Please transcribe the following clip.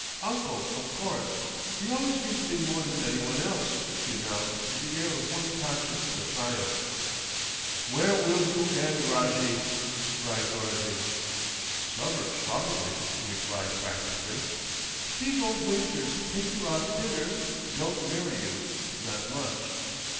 "Uncle, of course. He always gives me more than anyone else," she announced with the air of one conscious of a triumph. "Where will you end, Rojjie?" cried Dorothy. "Suburbs probably," she replied practically. "These old wasters take you out to dinner; but marry you not much."